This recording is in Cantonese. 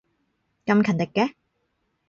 咁勤力嘅